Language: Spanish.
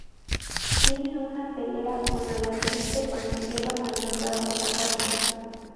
Tiene una pelea con Alatriste cuando llevan al soldado a la cárcel.